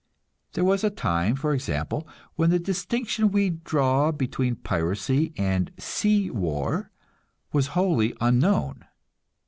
There was a time, for example, when the distinction we draw between piracy and sea war was wholly unknown.